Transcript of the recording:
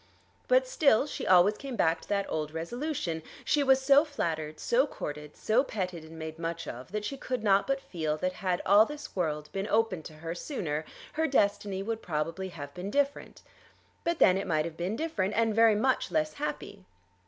But still she always came back to that old resolution. She was so flattered, so courted, so petted and made much of, that she could not but feel that had all this world been opened to her sooner her destiny would probably have been different; but then it might have been different, and very much less happy.